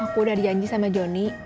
aku udah di janji sama jonny